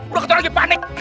udah ketawa lagi panik